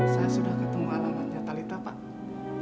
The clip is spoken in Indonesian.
saya sudah ketemu alamannya talita pak